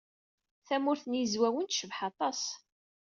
Tamurt n Yizwawen tecbeḥ aṭas.